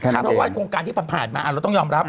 เพราะว่าโครงการที่ผ่านมาเราต้องยอมรับ